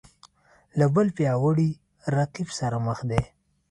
له بل پیاوړي رقیب سره مخ دی